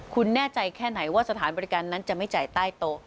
คุณแน่ใจแค่ไหนว่าสถานบริการนั้นจะไม่จ่ายใต้โต๊ะ